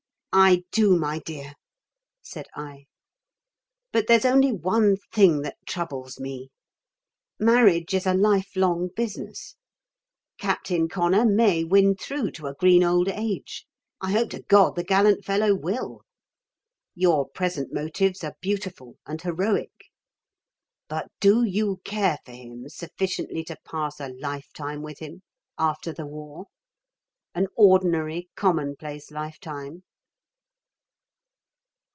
"I do, my dear," said I. "But there's only one thing that troubles me. Marriage is a lifelong business. Captain Connor may win through to a green old age. I hope to God the gallant fellow will. Your present motives are beautiful and heroic. But do you care for him sufficiently to pass a lifetime with him after the war an ordinary, commonplace lifetime?"